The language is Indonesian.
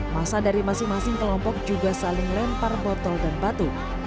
masa dari masing masing kelompok juga saling lempar botol dan batu